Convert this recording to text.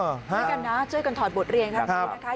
เจอกันนะเจอกันถอดบทเรียนครับคุณพุทธค่ะ